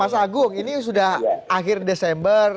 mas agung ini sudah akhir desember